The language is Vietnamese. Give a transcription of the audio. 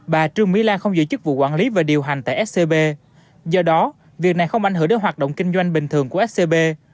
bà trương mỹ lan không giữ chức vụ quản lý và điều hành tại scb do đó việc này không ảnh hưởng đến hoạt động kinh doanh bình thường của scb